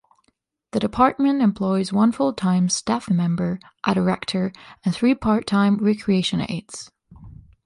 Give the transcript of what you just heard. The department employs one full-time staff member, a director and three part-time recreation aides.